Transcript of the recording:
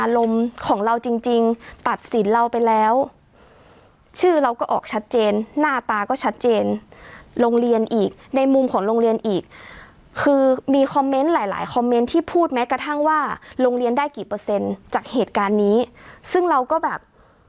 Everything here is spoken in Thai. โรงเรียนอีกในมุมของโรงเรียนอีกคือมีคอมเม้นท์หลายคอมเม้นท์ที่พูดแม้กระทั่งว่าโรงเรียนได้กี่เปอร์เซ็นต์จากเหตุการณ์นี้ซึ่งเราก็แบบ